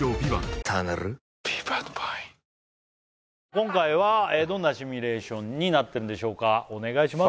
今回はどんなシミュレーションになってるんでしょうかお願いします